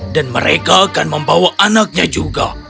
dan mereka akan membawa anaknya juga